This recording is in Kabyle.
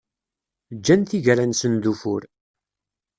Ǧǧan tigra-nsen d ufur.